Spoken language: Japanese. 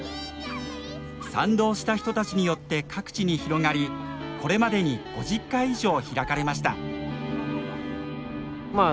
賛同した人たちによって各地に広がりこれまでに５０回以上開かれました。